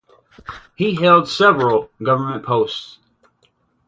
He held several government posts.